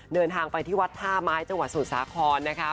เดินทางไปที่วัดท่าไม้จังหวัดสมุทรสาครนะคะ